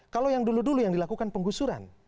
kalau yang dulu dulu yang dilakukan penggusuran